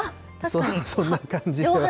そんな感じで。